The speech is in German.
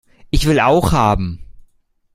Ich will auch haben!